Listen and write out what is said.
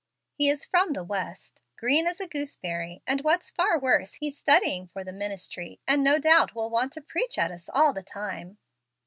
He is from the West, green as a gooseberry, and, what's far worse, he's studying for the ministry, and no doubt will want to preach at us all the time.